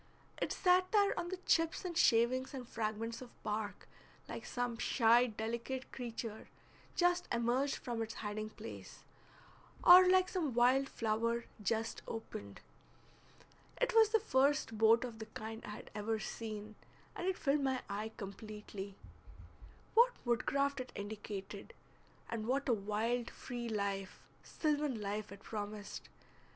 It sat there on the chips and shavings and fragments of bark like some shy delicate creature just emerged from its hiding place, or like some wild flower just opened. It was the first boat of the kind I had ever seen, and it filled my eye completely. What woodcraft it indicated, and what a wild free life, sylvan life, it promised!